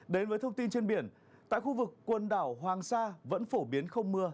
đến với thông tin trên biển tại khu vực quần đảo hoàng sa vẫn phổ biến không mưa